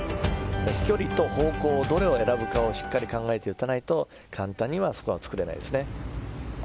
飛距離と方向、どれを選ぶか考えて打たないと簡単にはスコア作れないですね。